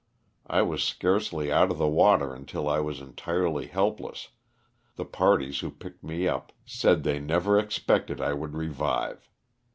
I was scarcely out of the water until I was entirely helpless, the parties who picked me up said they never expected I would revive.